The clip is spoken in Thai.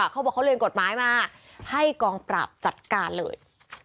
เขาบอกเขาเรียนกฎหมายมาให้กองปราบจัดการเลย